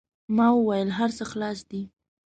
ما و ویل: هر څه خلاص دي.